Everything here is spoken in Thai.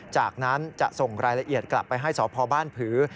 จากนั้นจะส่งรายละเอียดกลับไปให้สพบ้านผือ